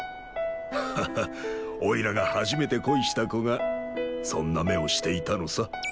ハッハッおいらが初めて恋した子がそんな目をしていたのさ。